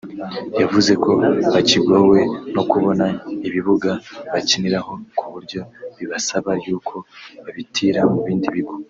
yavuze ko bakigowe no kubona ibibuga bakiniraho ku buryo bibasaba y’uko babitira mu bindi bigo